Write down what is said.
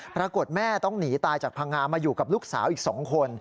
ปรากฏแม่ต้องหนีตายจากพังงามาอยู่กับลูกสาวอีก๒คน